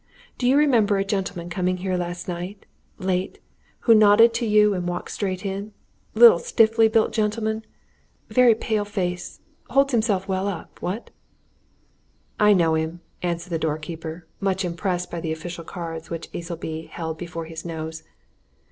Do you remember a gentleman coming here last night, late, who nodded to you and walked straight in? Little, stiffly built gentleman, very pale face, holds himself well up what?" "I know him," answered the door keeper, much impressed by the official cards which Easleby held before his nose.